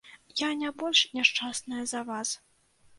Я не больш няшчасная за вас.